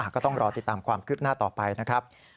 ก็ต้องรอติดตามความคืบหน้าต่อไปนะครับ